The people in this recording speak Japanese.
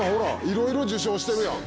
いろいろ受賞してるやん。